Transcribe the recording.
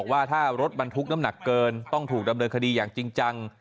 ว่าถ้ารถบรรทุกน้ำหนักเกินต้องถูกดำเนินคดีอย่างจริงจัง